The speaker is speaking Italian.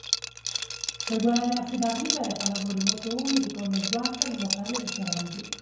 Per guadagnarsi da vivere fa lavori molto umili come sguattero in locali e ristoranti